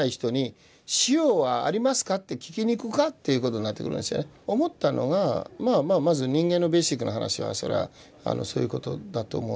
今やっぱり打ち水思ったのがまあまず人間のベーシックな話はそれはそういうことだと思ってるし。